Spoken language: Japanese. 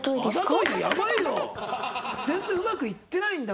全然うまくいってないんだ？